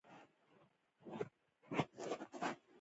هغوی خپل دوکان ته ځي او کار کوي